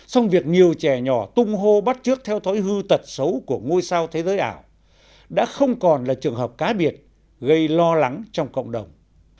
song việc nhiều trẻ nhỏ tung hô bắt trước theo thói hư tật xấu của ngôi sao thế giới ảo đã không còn là trường hợp cá biệt gây lo lắng trong cộng đồng